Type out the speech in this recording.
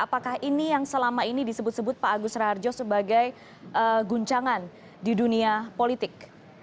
apakah ini yang selama ini disebut sebut pak agus raharjo sebagai guncangan di dunia politik